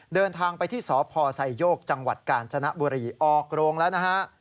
เดินทางไปที่สพไซโยกจังหวัดกาญจนบุรีออกโรงแล้วนะฮะ